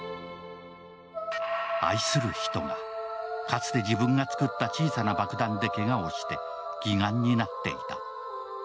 愛する人が、かつて自分が作った小さな爆弾でけがをして義眼になっていた。